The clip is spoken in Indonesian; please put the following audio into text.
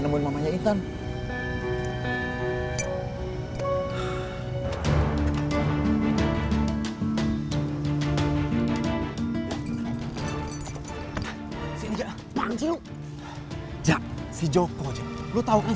nemuin mamanya intan